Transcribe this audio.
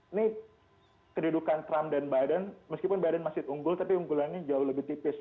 ini kedudukan trump dan biden meskipun biden masih unggul tapi unggulannya jauh lebih tipis